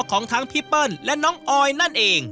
ของทั้งพี่เปิ้ลและน้องออยนั่นเอง